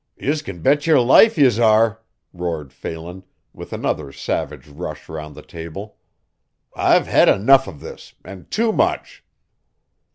"Yez can bet your life, yez are," roared Phelan, with another savage rush round the table. "I've had enough of this, an' too much!"